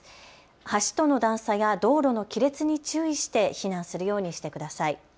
橋との段差や道路の亀裂に注意して避難するようにしてください。